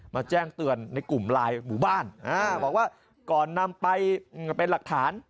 แจ้งเตือนในกลุ่มไลน์หมู่บ้านบอกว่าก่อนนำไปเป็นหลักฐาน